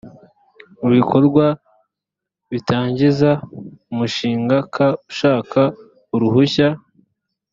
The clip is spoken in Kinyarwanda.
mu bikorwa bitangiza umushinga k ushaka uruhushya